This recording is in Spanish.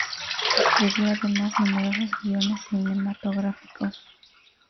Escribió además numerosos guiones cinematográficos.